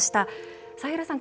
サヘルさん